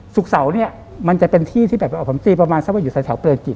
สุขเสามันจะเป็นที่ที่แบบผมตีประมาณซะว่าอยู่ในแถวเปลืองจิต